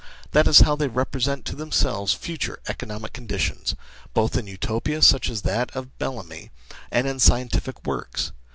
That is how they represent to themselves future economic conditions, both in Utopias such as that of Bellamy and in scientific works.